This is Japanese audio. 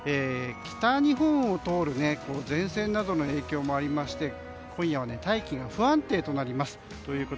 北日本を通る前線などの影響もありまして今夜は大気が不安定となります。